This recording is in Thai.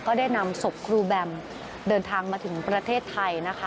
ได้นำศพครูแบมเดินทางมาถึงประเทศไทยนะคะ